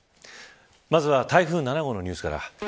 まずは台風７号のニュースから。